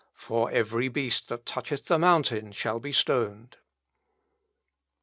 For every beast that toucheth the mountain shall be stoned."